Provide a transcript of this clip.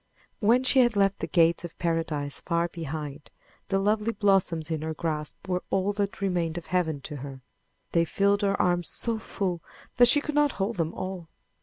When she had left the gates of Paradise far behind the lovely blossoms in her grasp were all that remained of Heaven to her. They filled her arms so full that she could not hold them all.